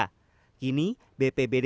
kini bpbd yang menggunakan alat yang berbeda